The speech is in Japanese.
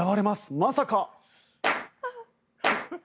まさか。